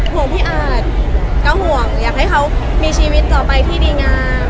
ห่วงพี่อาจก็ห่วงอยากให้เขามีชีวิตต่อไปที่ดีงาม